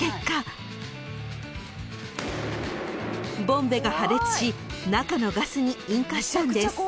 ［ボンベが破裂し中のガスに引火したんです］